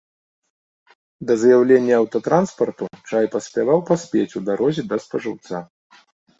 Да з'яўлення аўтатранспарту чай паспяваў паспець у дарозе да спажыўца.